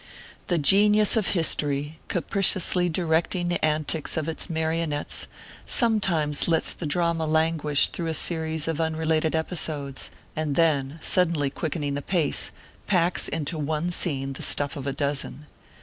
The Genius of History, capriciously directing the antics of its marionettes, sometimes lets the drama languish through a series of unrelated episodes, and then, suddenly quickening the pace, packs into one scene the stuff of a dozen.